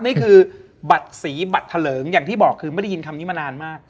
นี่คือบัตรสีบัตรเถลิงอย่างที่บอกคือไม่ได้ยินคำนี้มานานมาก